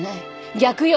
逆よ！